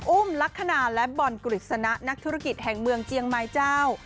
อุ้มลักษณะและบอลกฤษณะนักธุรกิจแห่งเมืองเจียงไม้เจ้า